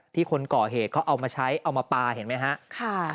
คนก่อเหตุเขาเอามาใช้เอามาปลาเห็นไหมฮะ